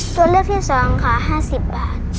ตัวเลือกที่๒ค่ะ๕๐บาท